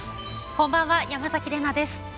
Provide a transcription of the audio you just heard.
こんばんは山崎怜奈です。